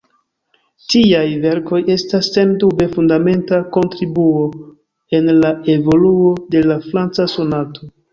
Tiaj verkoj estas sendube fundamenta kontribuo en la evoluo de la franca sonato.